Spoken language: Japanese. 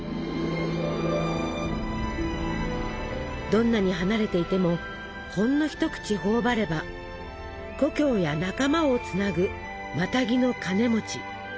どんなに離れていてもほんの一口頬張れば故郷や仲間をつなぐマタギのカネ。